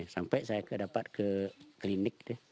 sampai saya kedapat ke klinik